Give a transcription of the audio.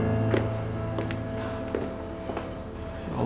sabar pak harun